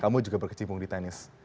kamu juga berkecimpung di tenis